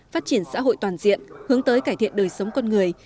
phát triển xã hội toàn diện hướng tới cải thiện đời sống con người